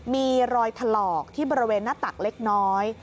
มีรอยถลอกที่บริเวณหน้าตักเล็กน้อย